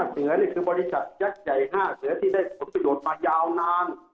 เสือนี่คือบริษัทยักษ์ใหญ่๕เสือที่ได้ผลประโยชน์มายาวนาน